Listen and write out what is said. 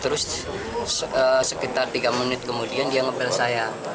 terus sekitar tiga menit kemudian dia ngepel saya